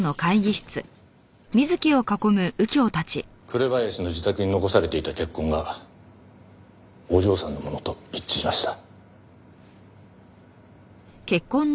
紅林の自宅に残されていた血痕がお嬢さんのものと一致しました。